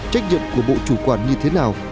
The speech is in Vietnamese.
trách nhiệm của bộ chủ quản như thế nào